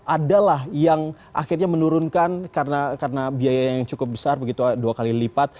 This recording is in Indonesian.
adalah yang akhirnya menurunkan karena biaya yang cukup besar begitu dua kali lipat